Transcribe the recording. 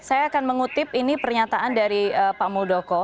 saya akan mengutip ini pernyataan dari pak muldoko